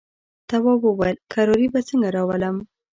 تواب وويل: کراري به څنګه راولم.